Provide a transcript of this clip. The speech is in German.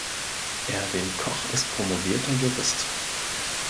Erwin Koch ist promovierter Jurist.